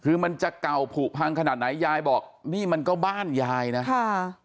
คือมันจะเก่าผูกพังขนาดไหนยายบอกนี่มันก็บ้านยายนะค่ะ